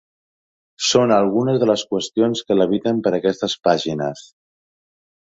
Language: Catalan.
Són algunes de les qüestions que leviten per aquestes pàgines.